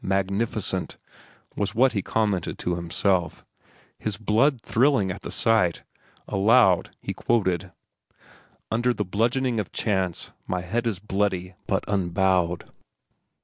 Magnificent, was what he commented to himself, his blood thrilling at the sight. Aloud, he quoted: "'Under the bludgeoning of Chance My head is bloody but unbowed.